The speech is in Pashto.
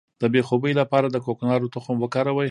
د بې خوبۍ لپاره د کوکنارو تخم وکاروئ